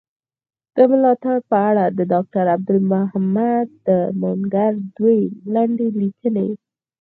د ملاتړ په اړه د ډاکټر عبدالمحمد درمانګر دوې لنډي ليکني.